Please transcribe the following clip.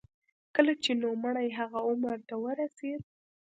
کله چې نوموړی هغه عمر ته ورسېد.